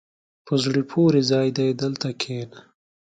په زړه پورې ځای دی، دلته کښېنه.